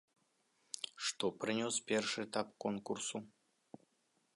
Што прынёс першы этап конкурсу?